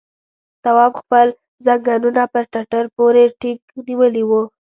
تواب خپل ځنګنونه پر ټټر پورې ټينګ نيولي وو.